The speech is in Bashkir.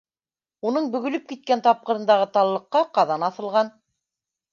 Уның бөгөлөп киткән тапҡырындағы таллыҡҡа ҡаҙан аҫылған.